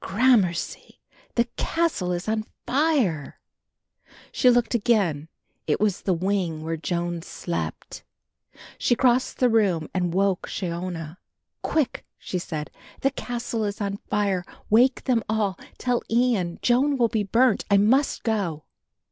"Gramercy, the castle is on fire." She looked again; it was the wing where Joan slept. She crossed the room and woke Shiona. "Quick," she said, "the castle is on fire. Wake them all tell Ian Joan will be burnt I must go."